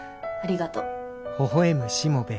ありがとう。